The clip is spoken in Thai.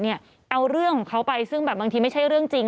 เอาเรื่องของเขาไปซึ่งแบบบางทีไม่ใช่เรื่องจริง